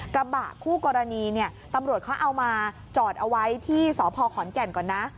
กระบะคู่กรณีเนี่ยตำรวจเขาเอามาจอดเอาไว้ที่สพขอนแก่นก่อนนะ